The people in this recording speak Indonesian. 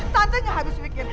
tante gak harus mikir